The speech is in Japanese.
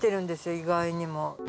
意外にも。